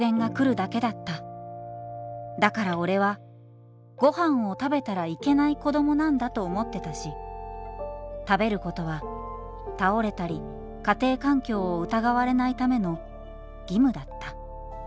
だから俺はごはんを食べたらいけない子どもなんだと思ってたし食べることは倒れたり家庭環境を疑われないための義務だった。